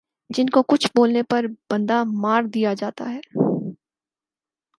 جن کو کچھ بولنے پر بندہ مار دیا جاتا ھے